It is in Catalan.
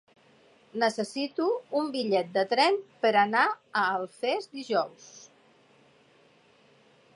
Necessito un bitllet de tren per anar a Alfés dijous.